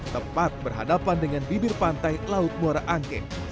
tepat berhadapan dengan bibir pantai laut muara angke